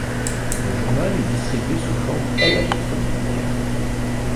Le journal est distribué sous forme électronique.